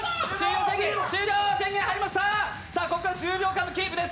ここから１０秒間、キープです！